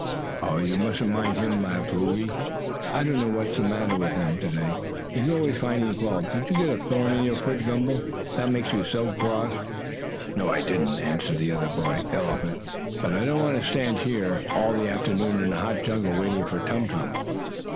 "Oh, you mustn't mind him," laughed Whoo ee. "I don't know what's the matter with him to day; he's always finding fault. Did you get a thorn in your foot, Gumble, that makes you so cross?" "No, I didn't," answered the other boy elephant. "But I don't want to stand here all the afternoon in a hot jungle, waiting for Tum Tum."